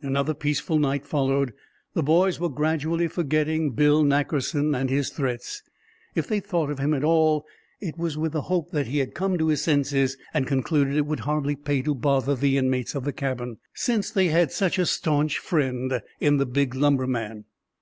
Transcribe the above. Another peaceful night followed. The boys were gradually forgetting Bill Nackerson and his threats. If they thought of him at all, it was with the hope that he had come to his senses, and concluded it would hardly pay to bother the inmates of the cabin, since they had such a stanch friend in the big lumberman.